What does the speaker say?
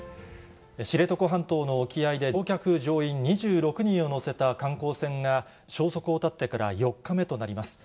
知床半島の沖合で、乗客・乗員２６人を乗せた観光船が消息を絶ってから４日目となります。